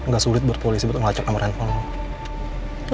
gak sulit buat polisi buat ngelacak nomor handphone lo